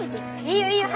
いいよいいよ。